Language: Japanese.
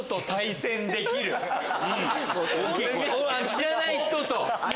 知らない人と！